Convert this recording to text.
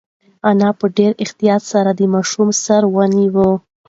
انا په ډېر احتیاط سره د ماشوم سر ونیو.